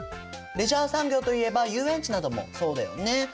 レジャー産業といえば遊園地などもそうだよね。